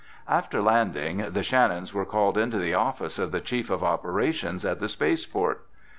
After landing, the Shannons were called into the office of the Chief of Operations at the space port.